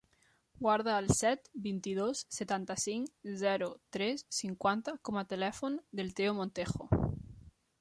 Guarda el set, vint-i-dos, setanta-cinc, zero, tres, cinquanta com a telèfon del Theo Montejo.